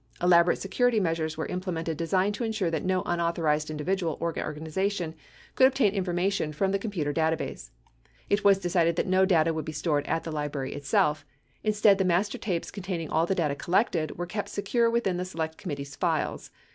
Elaborate security measures were implemented designed to insure that no unauthorized individual or organization could obtain information from the computer data base. It was decided that no data would be stored at the Library itself. Instead, the master tapes, containing all the data collected, were kept secure within the Select Committee's files.